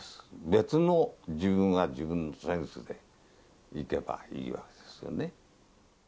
別の自分は自分のセンスでいけばいいわけですよね。